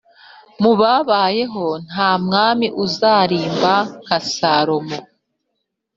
mubabayeho ntamwami uzarimba nka salomo